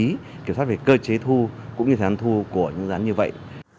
gấp rút kiểm soát về cơ chế thu cũng như tháng thu của những dân như vậy